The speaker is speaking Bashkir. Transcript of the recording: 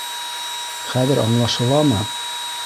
Хәҙер аңлашыламы?